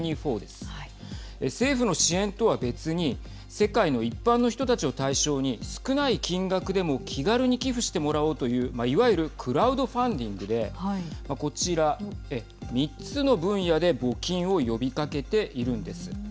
政府の支援とは別に世界の一般の人たちを対象に少ない金額でも気軽に寄付してもらおうといういわゆるクラウドファンディングでこちら３つの分野で募金を呼びかけているんです。